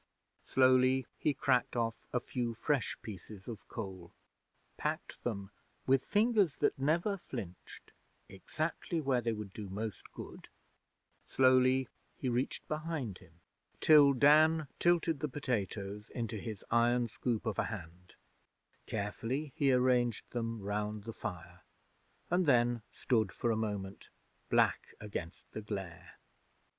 Slowly he cracked off a few fresh pieces of coal, packed them, with fingers that never flinched, exactly where they would do most good; slowly he reached behind him till Dan tilted the potatoes into his iron scoop of a hand; carefully he arranged them round the fire, and then stood for a moment, black against the glare.